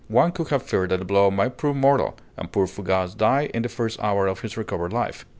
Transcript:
One could have feared that the blow might prove mortal, and poor Fougas die in the first hour of his recovered life.